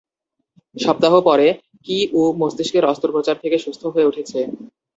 সপ্তাহ পরে, কি-উ মস্তিষ্কের অস্ত্রোপচার থেকে সুস্থ হয়ে উঠছে।